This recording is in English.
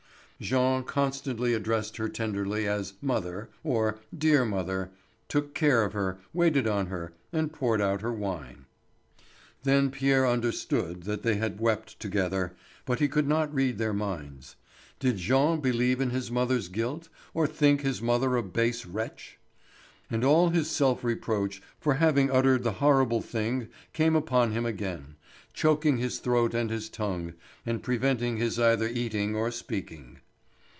Jean constantly addressed her tenderly as "mother," or "dear mother," took care of her, waited on her, and poured out her wine. Then Pierre understood that they had wept together, but he could not read their minds. Did Jean believe in his mother's guilt, or think his brother a base wretch? And all his self reproach for having uttered the horrible thing came upon him again, choking his throat and his tongue, and preventing his either eating or speaking.